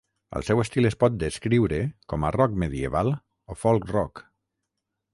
El seu estil es pot descriure com a rock medieval o folk rock.